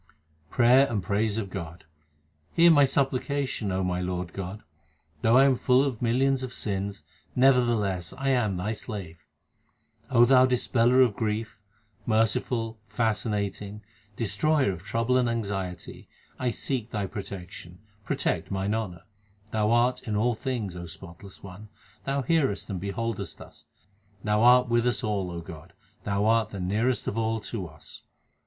Prayer and praise of God : Hear my supplication, O my Lord God, Though I am full of millions of sins, nevertheless I am Thy slave. Thou Dispeller of grief, merciful, fascinating, Destroyer of trouble and anxiety, 1 seek Thy protection, protect mine honour ; Thou art in all things, O spotless One, Thou hearest and beholdest us ; Thou art with us all, O God ; Thou art the nearest of all to us.